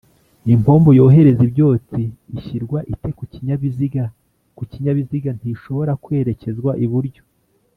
impombo yohereza ibyotsi ishyirwa ite kukinyabiziga kukinyabiziga ntishobora kwerekezwa iburyo